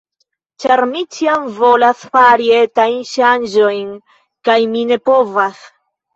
Ĉar mi ĉiam volas fari etajn ŝanĝojn, kaj mi ne povas